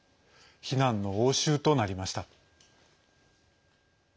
非難の応酬となりました。